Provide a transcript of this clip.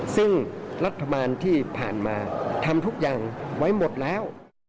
ซึ่งรัฐบาลที่ผ่านมาทำทุกอย่างไว้หมดแล้ว